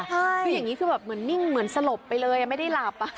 คืออย่างนี้คือแบบเหมือนนิ่งเหมือนสลบไปเลยไม่ได้หลับ